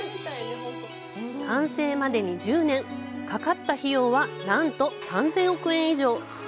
完成までに１０年かかった費用はなんと３０００億円以上！